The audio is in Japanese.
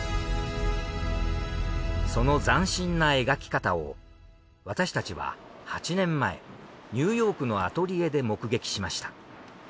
その斬新な描き方を私たちは８年前ニューヨークのアトリエで目撃しました。